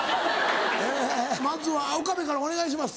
えまずは岡部からお願いします。